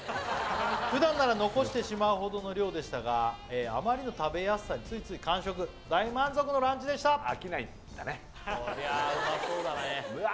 普段なら残してしまうほどの量でしたがあまりの食べやすさについつい完食大満足のランチでしたこりゃあうまそうだねうわ